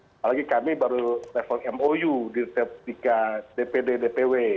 apalagi kami baru level mou di setiap dpd dpw